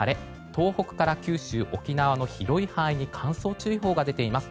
東北から九州・沖縄の広い範囲に乾燥注意報が出ています。